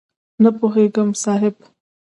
نه پوهېږم صاحب؟!